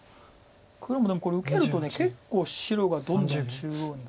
黒もでもこれ受けると結構白がどんどん中央にくるので。